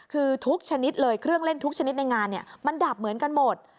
คือทุกชนิดเลยเครื่องเล่นทุกชนิดในงานมันดับเหมือนกันหมด